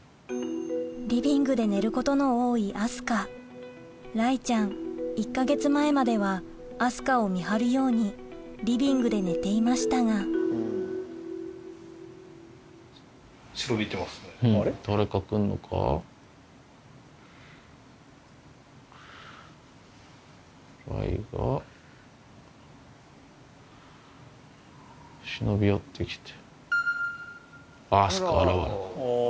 リビングで寝ることの多い明日香雷ちゃん１か月前までは明日香を見張るようにリビングで寝ていましたが雷が忍び寄って来て。